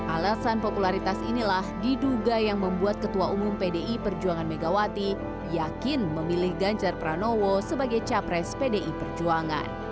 alasan popularitas inilah diduga yang membuat ketua umum pdi perjuangan megawati yakin memilih ganjar pranowo sebagai capres pdi perjuangan